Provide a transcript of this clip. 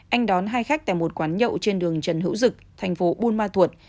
anh đón hai khách tại một quán nhậu trên đường trần hữu dực thành phố buôn ma thuột